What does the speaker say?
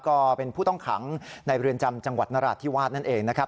ก็เป็นผู้ต้องขังในเรือนจำจังหวัดนราธิวาสนั่นเองนะครับ